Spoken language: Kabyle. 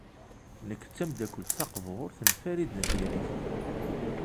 Nekk d tameddakelt taqburt n Farid n At Yiraten.